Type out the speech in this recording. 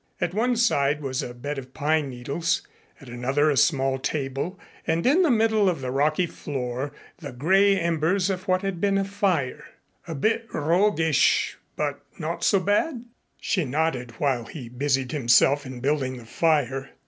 At one side was a bed of pine needles, at another a small table and in the middle of the rocky floor the gray embers of what had been a fire. "A bit roughish, but not so bad?" She nodded while he busied himself in building the fire.